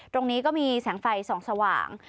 ตรงนี้ก็มีแสงไฟส่องสว่าง